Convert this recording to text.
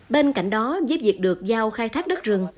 bên cạnh đó giúp việc được giao khai thác đất rừng